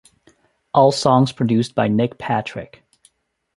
All songs produced by Nick Patrick.